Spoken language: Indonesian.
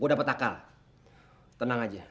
gue dapat akal tenang aja